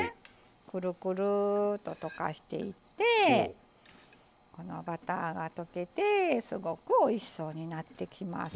くるくるーっと溶かしていってこのバターが溶けてすごくおいしそうになってきます。